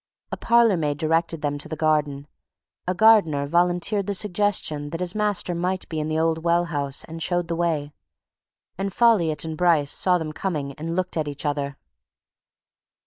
A parlourmaid directed them to the garden; a gardener volunteered the suggestion that his master might be in the old well house and showed the way. And Folliot and Bryce saw them coming and looked at each other.